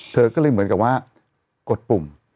เธอก็เลยเหมือนกับว่ากดปุ่ม